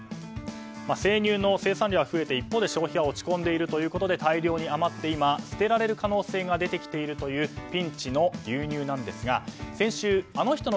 生乳の生産量が増えている一方で消費は落ち込んでいるということで大量に余って今、捨てられる可能性が出てきているというピンチの牛乳なんですが先週、あの人の